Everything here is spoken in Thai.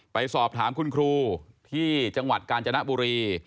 ไปสอบถามคุณครูที่จังหวัดกาญจนบุรี